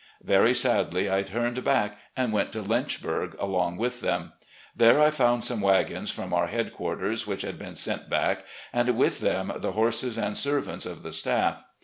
Very sadly I turned back and went to Lynchburg along with them. There I found some wagons from our headquarters which had been sent back, and with them the horses and servants of the staff.